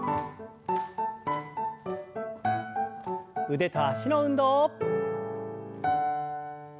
腕と脚の運動。